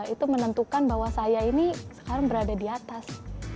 itu menentukan bahwa saya ini sekarang berada di atas